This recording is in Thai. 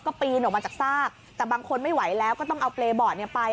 ก็ปีนออกมาจากซากแต่บางคนไม่ไหวแล้วก็ต้องเอาเปรย์บอร์ดไป